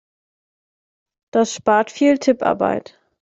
Das spart viel Tipparbeit.